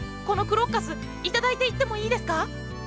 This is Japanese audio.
このクロッカス頂いていってもいいですか？